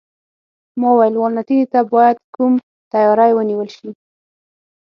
ما وویل: والنتیني ته باید کوم تیاری ونیول شي؟